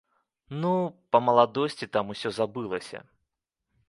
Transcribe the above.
Ну, па маладосці там усё забылася.